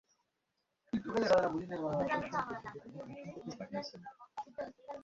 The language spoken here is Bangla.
তোমার শিষ্যরা পর্যন্ত বহু ধনসম্পত্তি বাগিয়ে ফেলেছে।